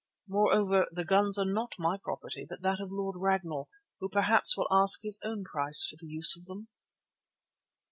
Moreover, the guns are not my property but that of the Lord Ragnall, who perhaps will ask his own price for the use of them."